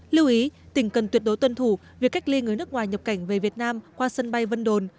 lưu ý tỉnh cần tuyệt đối tuân thủ việc cách ly người nước ngoài nhập cảnh về việt nam qua sân bay vân đồn